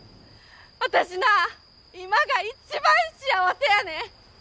私な今が一番幸せやねん！